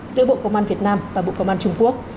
giữa bộ công an việt nam và bộ công an trung quốc